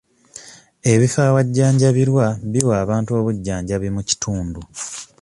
Ebifo awajjanjabirwa biwa abantu obujjanjabi mu kitundu.